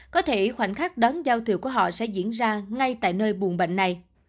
có thể khoảnh khắc đón giao thừa của họ sẽ diễn ra ngay tại nơi buồn bệnh này